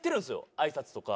あいさつとか。